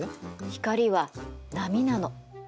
光は波なの。